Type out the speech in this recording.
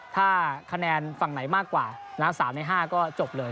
ถ้าคะแนนฝั่งไหนมากกว่า๓ใน๕ก็จบเลย